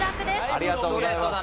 ありがとうございます。